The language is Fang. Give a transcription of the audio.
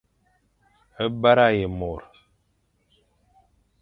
Bara ye môr.